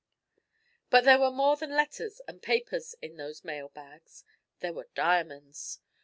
But there were more than letters and papers in these mail bags. There were diamonds!